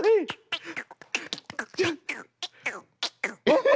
えっ！